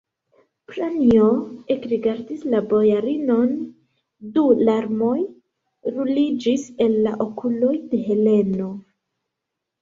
Pranjo ekrigardis la bojarinon: du larmoj ruliĝis el la okuloj de Heleno.